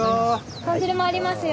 豚汁もありますよ。